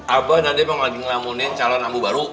abang nanti mau lagi ngelamunin calon abu baru